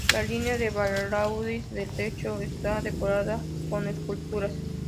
La línea de balaustres del techo está decorada con esculturas.